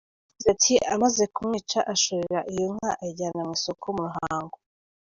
Yagize ati “…Amaze kumwica ashorera iyo nka ayijyana mu isoko mu Ruhango.